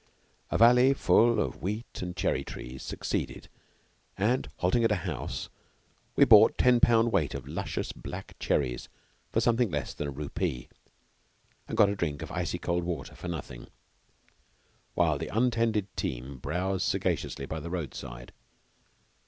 A valley full of wheat and cherry trees succeeded, and halting at a house, we bought ten pound weight of luscious black cherries for something less than a rupee, and got a drink of icy cold water for nothing, while the untended team browsed sagaciously by the road side.